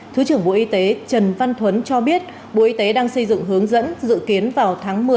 thứ trưởng bộ y tế trần văn thuấn cho biết bộ y tế đang xây dựng hướng dẫn dự kiến vào tháng một mươi